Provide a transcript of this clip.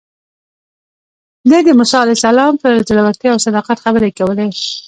ده د موسی علیه السلام پر زړورتیا او صداقت خبرې کولې.